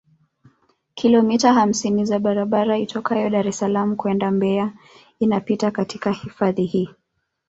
Kilomita hamsini za barabara itokayo Dar es Salaam kwenda Mbeya inapita katika hifadhi hii